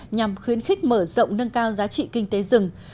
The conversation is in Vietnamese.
nhằm khuyến khích mở rộng nâng cao giá trị kinh tế rừng